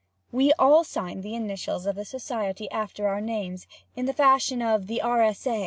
We all sign the initials of the society after our names, in the fashion of the R. S. A.